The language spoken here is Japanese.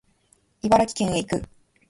茨城県へ行く